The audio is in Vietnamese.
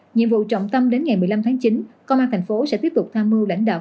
nhiệm vụ trọng tâm đến ngày một mươi năm tháng chín công an thành phố sẽ tiếp tục tham mưu lãnh đạo